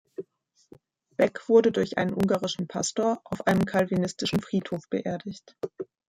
Beck wurde durch einen ungarischen Pastor auf einem calvinistischen Friedhof beerdigt.